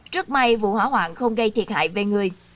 rất may vụ hỏa hoạn không gây thiệt hại về người